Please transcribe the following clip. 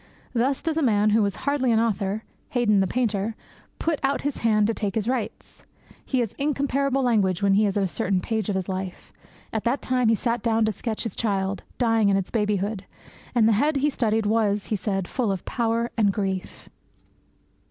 Thus does a man who was hardly an author, Haydon the painter, put out his hand to take his rights. He has incomparable language when he is at a certain page of his life; at that time he sate down to sketch his child, dying in its babyhood, and the head he studied was, he says, full of "power and grief."